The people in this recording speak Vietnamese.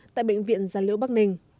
tại bệnh viện già liễu bắc ninh